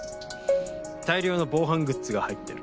大量の防犯グッズが入ってる。